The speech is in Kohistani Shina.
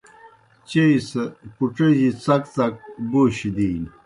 چیئی سہ پُڇِجیْ څک څک بوشیْ دِینیْ۔